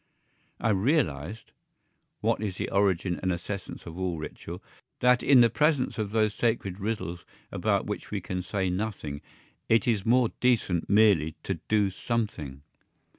I realised (what is the origin and essence of all ritual) that in the presence of those sacred riddles about which we can say nothing it is more decent merely to do something.